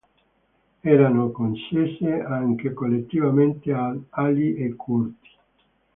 Erano concesse anche collettivamente ad ali e coorti.